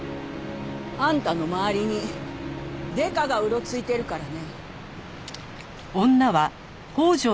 あんたの周りにデカがうろついてるからね。